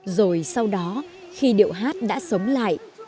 rồi sau đó khi điệu hát đã sống lại